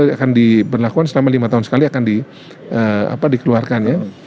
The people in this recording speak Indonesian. yang akan diberlakukan selama lima tahun sekali akan dikeluarkan ya